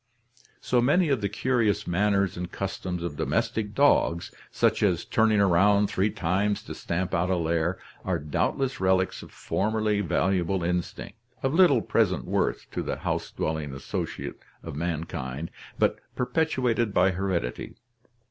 So many of the curious manners and customs of domestic dogs, such as turning around three times to stamp out a lair, are doubt less relics of formerly valuable instinct, of little present worth to the house dwelling associate of mankind, but perpetuated by heredity.